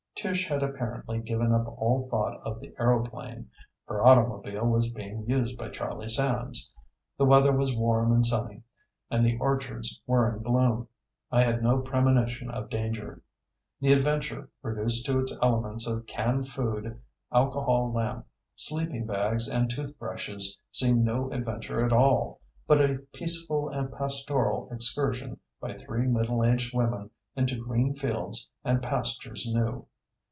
Tish had apparently given up all thought of the aeroplane; her automobile was being used by Charlie Sands; the weather was warm and sunny, and the orchards were in bloom. I had no premonition of danger. The adventure, reduced to its elements of canned food, alcohol lamp, sleeping bags and toothbrushes, seemed no adventure at all, but a peaceful and pastoral excursion by three middle aged women into green fields and pastures new.